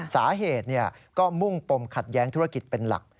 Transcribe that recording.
สาเหตุก็มุ่งปมขัดแย้งธุรกิจเป็นหลัก